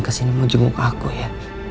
kesini mau jenguk aku ya